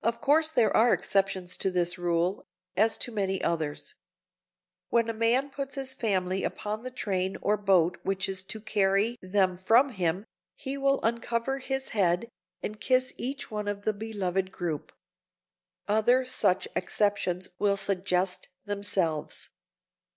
Of course there are exceptions to this rule, as to many others. When a man puts his family upon the train or boat which is to carry them from him, he will uncover his head, and kiss each one of the beloved group. Other such exceptions will suggest themselves.